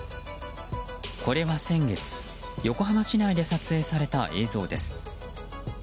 これは先月、横浜市内で撮影された映像です。